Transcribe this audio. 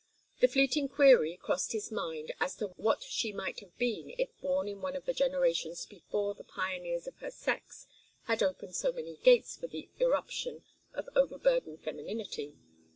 The fleeting query crossed his mind as to what she might have been if born in one of the generations before the pioneers of her sex had opened so many gates for the irruption of overburdened femininity.